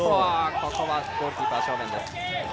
ここはゴールキーパー正面。